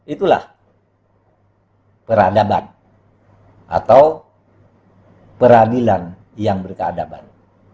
itulah peradaban atau peradilan yang berkeadaban